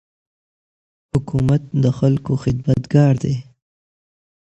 حکومت د خلکو خدمتګار دی.